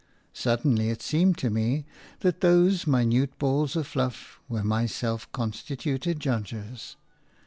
Suddenly it seemed to me that those minute balls of fluff were my self constituted judges.